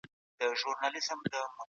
وي؟ او تر ټولو مشهور یې څوک وو؟ یوازي یې